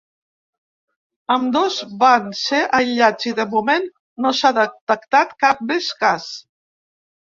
Ambdós van ser aïllats i, de moment, no s’ha detectat cap més cas.